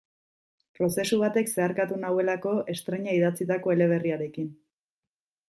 Prozesu batek zeharkatu nauelako estreina idatzitako eleberriarekin.